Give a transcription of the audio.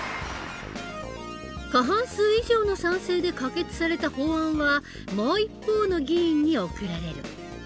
過半数以上の賛成で可決された法案はもう一方の議員に送られる。